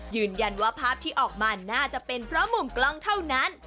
ภาพที่ออกมาน่าจะเป็นเพราะมุมกล้องเท่านั้น